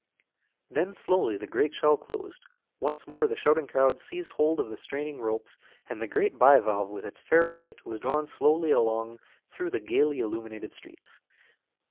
Then slowly the great shell closed, once more the shouting crowds seized hold of the straining ropes, and the great bivalve with its fair freight was drawn slowly along through the gayly illuminated streets.